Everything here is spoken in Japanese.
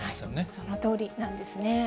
そのとおりなんですね。